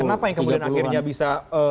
kenapa yang kemudian akhirnya bisa